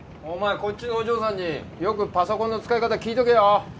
お前こっちのお嬢さんによくパソコンの使い方聞いとけよ